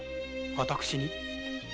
私に？